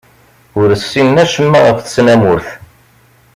Ur ssinen acemma ɣef tesnamurt.